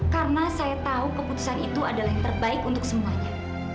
karena saya tahu keputusan itu adalah yang terbaik untuk semuanya